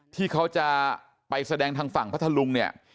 ที่เขาจะไปแสดงทางฝั่งพัทธลุงเนี่ย